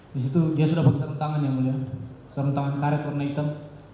di situ dia sudah pakai serentangan yang mulia serentangan karet warna hitam